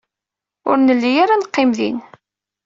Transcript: Ur nelli ara neqqim din.